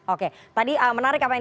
oke tadi menarik apa yang